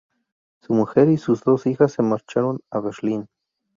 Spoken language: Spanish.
Su mujer y sus dos hijas se marcharon a Berlín.